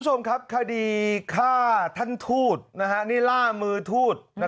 คุณผู้ชมครับคดีฆ่าท่านทูตนี่ล่ามือทูต